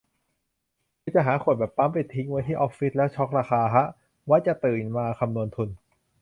คือจะหาแบบขวดปั๊มไปทิ้งไว้ที่ออฟฟิศแล้วช็อกราคาฮะ ไว้จะตื่นมาคำนวณทุน